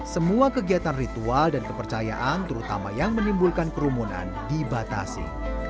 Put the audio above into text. semua kegiatan ritual dan kepercayaan terutama yang menimbulkan kerumunan dibatasi